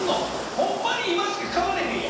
ほんまに今しか買われへんよ。